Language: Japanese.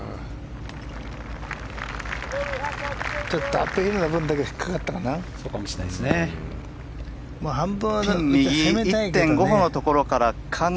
アップヒルの分だけ引っかかったかな。